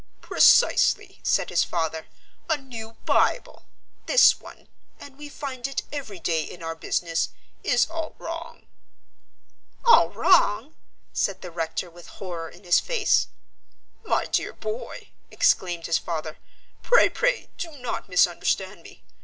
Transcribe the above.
"Precisely!" said his father, "a new Bible! This one and we find it every day in our business is all wrong." "All wrong!" said the rector with horror in his face. "My dear boy," exclaimed his father, "pray, pray, do not misunderstand me.